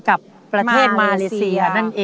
กับประเทศมาเลเซีย